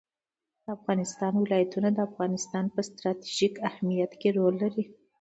د افغانستان ولايتونه د افغانستان په ستراتیژیک اهمیت کې رول لري.